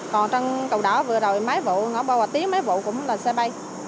còn trong cầu đỏ vừa đời mấy vụ ngõ bô hòa tiến mấy vụ cũng là xe bay